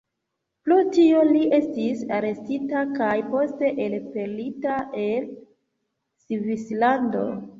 Pro tio, li estis arestita kaj poste elpelita el Svislando.